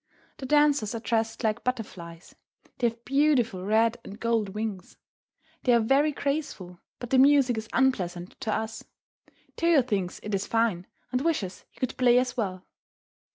The dancers are dressed like butterflies. They have beautiful red and gold wings. They are very graceful, but the music is unpleasant to us. Toyo thinks it is fine, and wishes he could play as well.